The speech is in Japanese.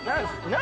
何？